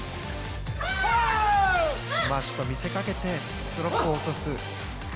スマッシュと見せかけてドロップを落とす。